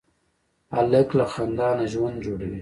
هلک له خندا نه ژوند جوړوي.